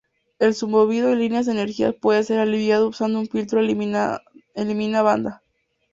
El zumbido en líneas de energía puede ser aliviado usando un filtro elimina banda.